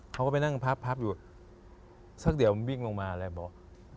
เขาก็ไปนั่งพับอยู่สักเดี๋ยวมันวิ่งลงมาเลยบอก